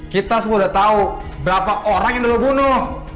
kita semua udah tau berapa orang yang udah lo bunuh